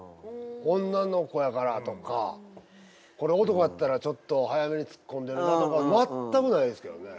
女の子やからとかこれ男やったらちょっと早めにツッコんでるなとか全くないですけどね。